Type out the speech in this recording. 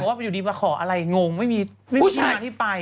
เพราะว่าอยู่ดีมาขออะไรงงไม่มีทางที่ไป